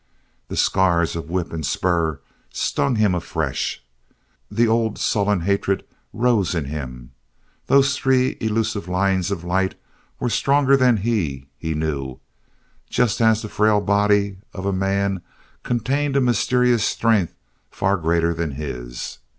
The scars of whip and spur stung him afresh. The old sullen hatred rose in him. Those three elusive lines of light were stronger than he, he knew, just as the frail body of a man contained a mysterious strength far greater than his.